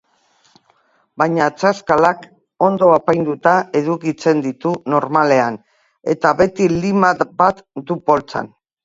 Baina atzazkalak ondo apainduta edukitzen ditu normalean eta beti lima bat du poltsan.